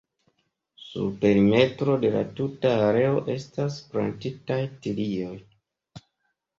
Sur perimetro de la tuta areo estas plantitaj tilioj.